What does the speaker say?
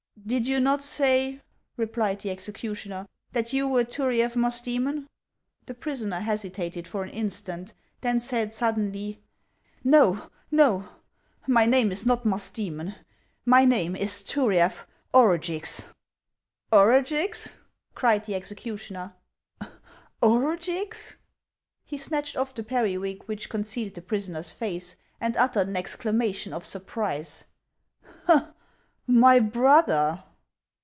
" Did you not say," replied the executioner, " that you were Turiaf Musdcemon ?" The prisoner hesitated for an instant, then said sud denly :" Xo, no ! my name is not Musdoemon ; my name is Turiaf Orugix." " Orugix !" cried the executioner, " Orugix !" He snatched off the periwig which concealed the pris oner's face, and uttered an exclamation of surprise :" My brother